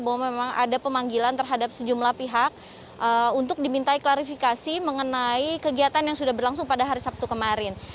bahwa memang ada pemanggilan terhadap sejumlah pihak untuk dimintai klarifikasi mengenai kegiatan yang sudah berlangsung pada hari sabtu kemarin